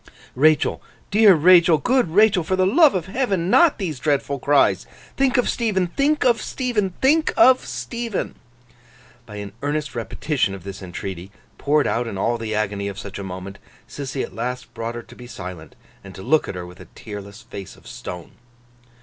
'Rachael, dear Rachael, good Rachael, for the love of Heaven, not these dreadful cries! Think of Stephen, think of Stephen, think of Stephen!' By an earnest repetition of this entreaty, poured out in all the agony of such a moment, Sissy at last brought her to be silent, and to look at her with a tearless face of stone.